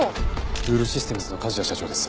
ブールシステムズの梶谷社長です。